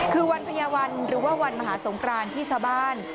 คือวันพญาวันหรือว่าวันมหาสงครานที่ชาวบ้าน